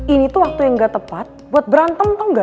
ini tuh waktu yang ga tepat buat berantem tau ga